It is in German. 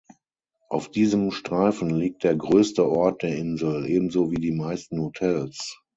Auf diesem Streifen liegt der größte Ort der Insel, ebenso wie die meisten Hotels.